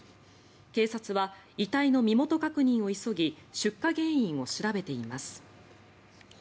警察は遺体の身元確認を急ぎ出火原因を調べています。